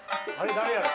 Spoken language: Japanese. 誰やろ。